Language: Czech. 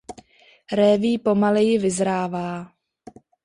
Réví pomaleji vyzrává.